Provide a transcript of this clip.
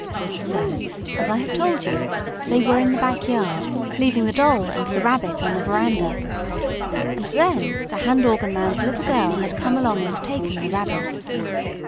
So, as I have told you, they were in the back yard, leaving the Doll and the Rabbit on the veranda. And then the hand organ man's little girl had come along and taken the Rabbit.